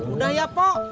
udah ya bu